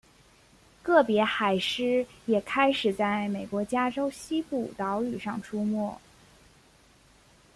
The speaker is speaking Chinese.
个别海狮也开始在美国加州西部岛屿上出没。